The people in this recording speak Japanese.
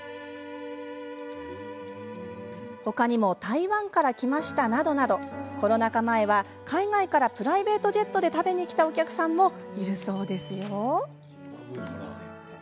ほかにも「台湾から来ました」などなどコロナ禍前は海外からプライベートジェットで食べに来たお客さんもいるそうです。